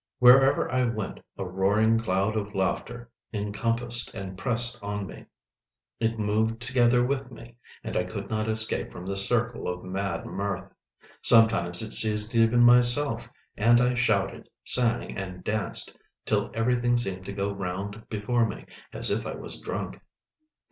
Wherever I went, a roaring cloud of laughter encompassed and pressed on me; it moved together with me, and I could not escape from this circle of mad mirth. Sometimes it seized even myself, and I shouted, sang, and danced till everything seemed to go round before me, as if I was drunk.